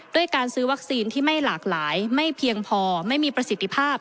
ด้วยการซื้อวัคซีนที่ไม่หลากหลายไม่เพียงพอไม่มีประสิทธิภาพ